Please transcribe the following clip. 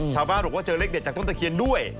ชาวบ้านบอกว่าเจอเลขเด็ดจากต้นตะเคียนด้วย